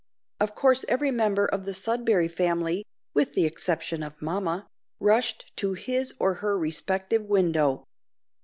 Of course every member of the Sudberry Family, with the exception of "mamma," rushed to his or her respective window.